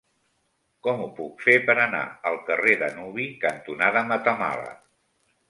Com ho puc fer per anar al carrer Danubi cantonada Matamala?